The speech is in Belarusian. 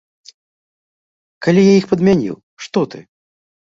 Калі я іх падмяніў, што ты?